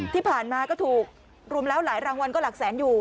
ที่ผ่านมาก็ถูกรวมแล้วหลายรางวัลก็หลักแสนอยู่